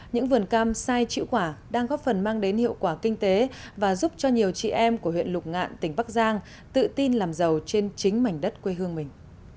những vườn cam sai chịu quả đang góp phần mang đến hiệu quả kinh tế và giúp cho nhiều chị em của huyện lục ngạn tỉnh bắc giang tự tin làm giàu trên chính mảnh đất quê hương mình